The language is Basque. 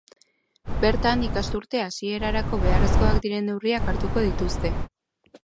Bertan, ikasturte hasierarako beharrezkoak diren neurriak hartuko dituzte.